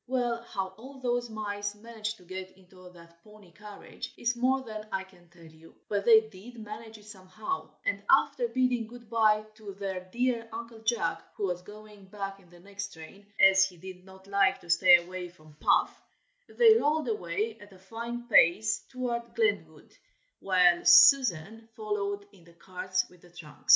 Well how all those mice managed to get into that pony carriage is more than I can tell you: but they did manage it somehow, and after bidding good bye to their dear Uncle Jack, who was going back in the next train, as he did not like to stay away from Puff, they rolled away at a fine pace toward Glenwood, while Susan followed in the carts with the trunks.